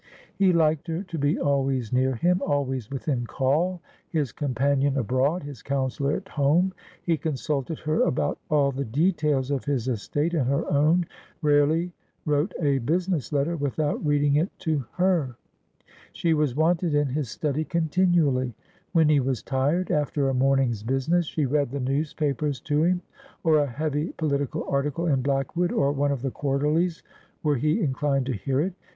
He liked her to be always near him, always within call, his companion abroad, his counsellor at home. He consulted her about all the details of his estate and her own, rarely wrote a business letter without reading it to her. She was wanted in ^God wote that Worldly Joy is sone Ago.' 95 his study continually. When he was tired after a morning's business, she read the newspapers to him, or a heavy political article in Blackwood or one of the Quarterlies, were he inclined to hear it.